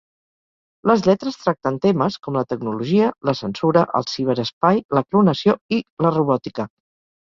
Les lletres tracten temes com la tecnologia, la censura, el ciberespai, la clonació i la robòtica.